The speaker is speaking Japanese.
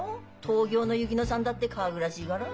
東京の薫乃さんだって書ぐらしいがら。